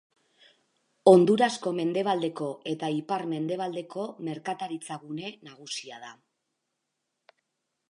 Hondurasko mendebaleko eta ipar-mendebaleko merkataritzagune nagusia da.